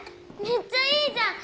めっちゃいいじゃん！